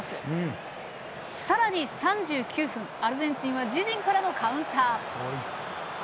さらに、３９分、アルゼンチンは自陣からのカウンター。